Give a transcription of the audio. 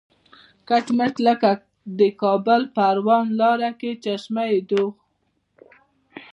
کټ مټ لکه د کابل پروان لاره کې چشمه دوغ.